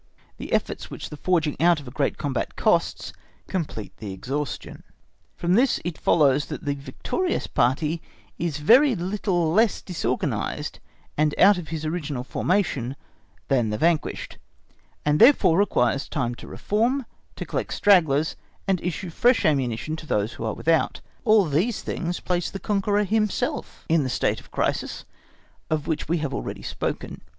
The efforts which the forging out of a great combat costs, complete the exhaustion; from this it follows that the victorious party is very little less disorganised and out of his original formation than the vanquished, and therefore requires time to reform, to collect stragglers, and issue fresh ammunition to those who are without. All these things place the conqueror himself in the state of crisis of which we have already spoken.